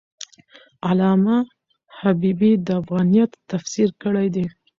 علامه حبیبي د افغانیت تفسیر کړی دی.